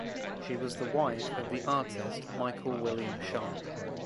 She was the wife of the artist Michael William Sharp.